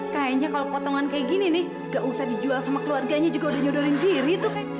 kayaknya kalau potongan kayak gini nih gak usah dijual sama keluarganya juga udah nyodorin diri tuh